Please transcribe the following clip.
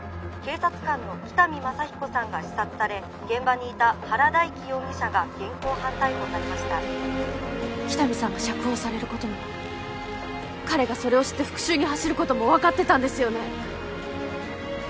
現場にいた原大貴容疑者が現行犯逮捕されました北見さんが釈放されることも彼がそれを知って復讐に走ることもわかってたんですよね？